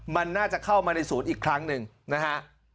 มันน่าจะเข้ามาในศูนย์อีกครั้งหนึ่งนะฮะ